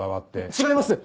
違います！